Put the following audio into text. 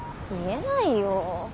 言えないよ。